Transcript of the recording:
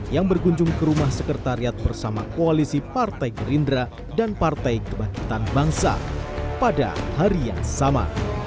yang berkunjung ke rumah sekretariat bersama koalisi partai gerindra dan partai kebangkitan bangsa pada hari yang sama